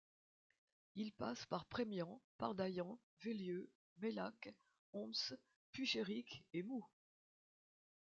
Il passe par Prémian, Pardailhan, Vélieux, Mailhac, Homps, Puichéric et Moux.